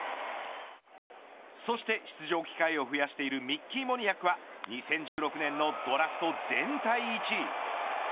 そして出場機会を増やしているミッキー・モニアクは２０１６年のドラフト全体１位。